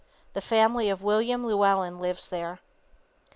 The family of William Llewellyn lives there.